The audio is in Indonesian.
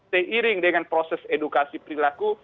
seiring dengan proses edukasi perilaku